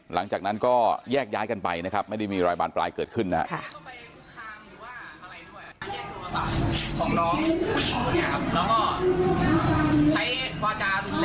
หลังจากนั้นก็แยกย้ายกันไปนะครับไม่ได้มีอะไรบานปลายเกิดขึ้นนะครับ